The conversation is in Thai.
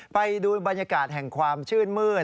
ไปดูบรรยากาศแห่งความชื่นมืด